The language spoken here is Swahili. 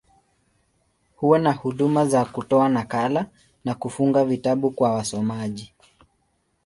Huwa na huduma za kutoa nakala, na kufunga vitabu kwa wasomaji.